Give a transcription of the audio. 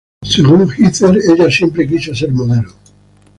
Según Heather, ella siempre quiso ser modelo.